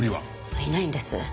いないんです。